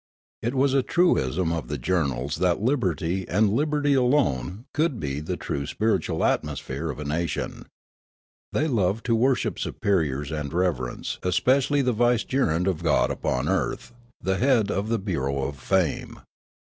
It was a truism of the journals that liberty and libert}^ alone could be the true spiritual atmosphere of a nation. They loved to wor ship superiors and reverence especially the vicegerent of God upon earth— the head of the Bureau of Fame.